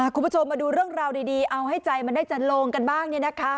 คุณผู้ชมมาดูเรื่องราวดีเอาให้ใจมันได้จะโลงกันบ้าง